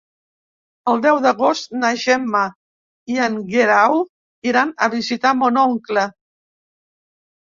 El deu d'agost na Gemma i en Guerau iran a visitar mon oncle.